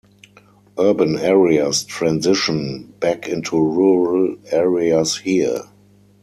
Urban areas transition back into rural areas here.